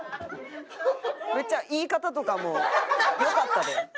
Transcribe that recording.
めっちゃ言い方とかも良かったで。